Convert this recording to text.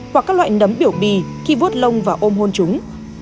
hoặc các loại nấm biểu bì khi vút lông và ôm hôn chúng